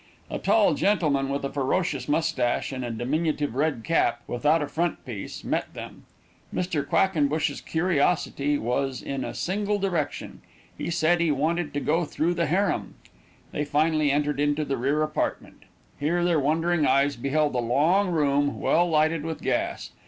A tall gentleman with a ferocious moustache, and a diminutive red cap, without a front piece, met them. Mr. Quackenbush's curiosity was in a single direction; he said he wanted to go through the harem. They finally entered into the rear apartment. Here their wondering eyes beheld a long room, well lighted with gas.